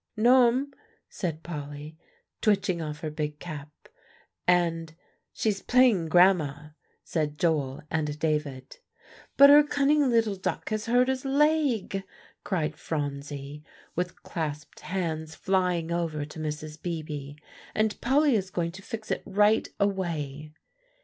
"No'm," said Polly, twitching off her big cap. And "She's playing grandma," said Joel and David. "But her cunning little duck has hurt his leg," cried Phronsie, with clasped hands flying over to Mrs. Beebe, "and Polly is going to fix it right away."